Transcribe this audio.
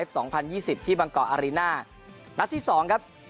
สองพันยี่สิบที่บางเกาะอารีน่านัดที่สองครับ